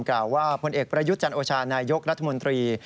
กล่าวว่าผลเอกประยุทธ์จันโอชานายกรัฐมนตรี